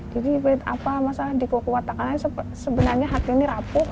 jadi apa masalah dikuat kuat akan naik sebenarnya hati ini rapuh